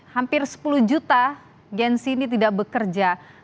hampir sepuluh juta gen sini tidak bekerja